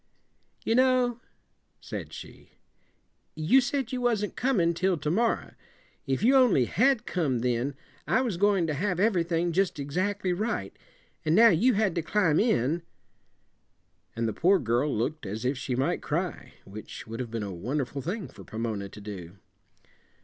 "You know," said she, "you said you wasn't coming till to morrow. If you only had come then I was going to have everything just exactly right an' now you had to climb in " And the poor girl looked as if she might cry, which would have been a wonderful thing for Pomona to do.